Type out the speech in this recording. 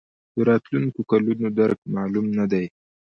د راتلونکو کلونو درک معلوم نه دی.